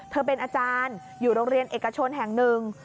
เป็นอาจารย์อยู่โรงเรียนเอกชนแห่งหนึ่ง